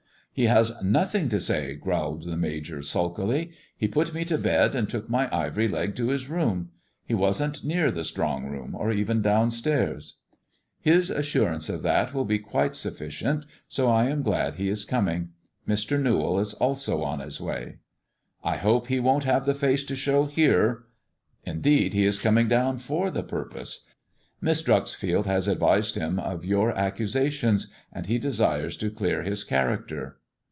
"He has nothing to say/' growled the Major sulkily; " he put me to bed and took my ivory leg to his room. He wasn't near the 'strong room, or even down stairs." His assurance of that will be quite sufficient, so I am glad he is coming. Mr. Newall is also on his way.'' " I hope he won't have the face to show here." " Indeed, he is coming down for the purpose. Miss Dreiixfield has advised him of your accusations, and he desires to clear his character."